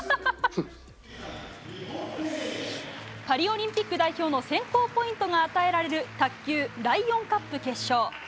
パリオリンピック代表の選考ポイントが与えられる卓球、ＬＩＯＮＣＵＰ決勝。